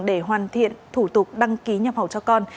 để hoàn thiện thủ tục đăng ký nhập khẩu cho con